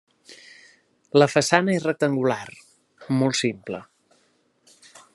La façana és rectangular, molt simple.